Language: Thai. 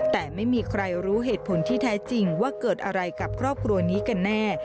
แต่ไม่มีใครรู้เหตุผลที่แท้จริงว่าเกิดอะไรกับครอบครัวนี้กันแน่